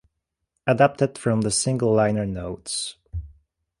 Adapted from the single liner notes.